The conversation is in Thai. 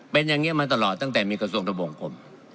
เป็นอย่างนี้มาตลอดตั้งแต่มีกระทรวงทะวงคม